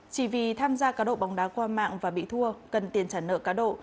chỉ vì tham gia cá độ bóng đá qua mạng và bị thua cần tiền trả nợ cá độ